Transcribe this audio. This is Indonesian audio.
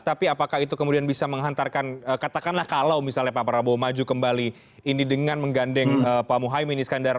tapi apakah itu kemudian bisa menghantarkan katakanlah kalau misalnya pak prabowo maju kembali ini dengan menggandeng pak muhaymin iskandar